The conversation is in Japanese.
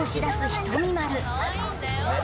ひとみ